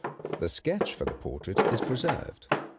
The sketch for the portrait is preserved.